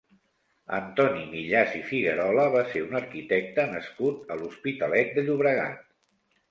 Antoni Millàs i Figuerola va ser un arquitecte nascut a l'Hospitalet de Llobregat.